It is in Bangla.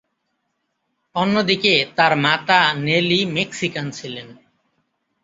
অন্যদিকে তার মাতা নেলি মেক্সিকান ছিলেন।